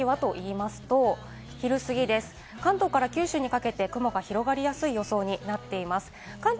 肝心の今日の天気はといいますと昼過ぎ、関東から九州にかけて、雲が広がりやすい予想になっています。